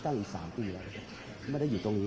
เพราะผมคิดว่าในเวลานี้